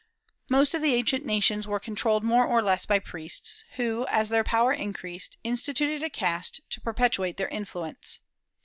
Most of the ancient nations were controlled more or less by priests, who, as their power increased, instituted a caste to perpetuate their influence.